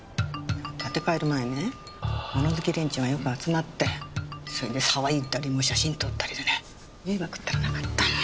建て替える前ね物好き連中がよく集まってそれで騒いだり写真撮ったりでね迷惑ったらなかったのよ。